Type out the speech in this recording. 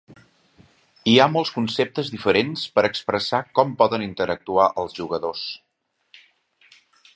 Hi ha molts conceptes diferents per expressar com poden interactuar els jugadors.